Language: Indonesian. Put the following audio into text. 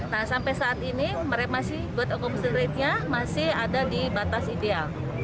nah sampai saat ini mereka masih buat kompensasi rate nya masih ada di batas ideal